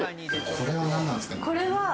これは何なんですか？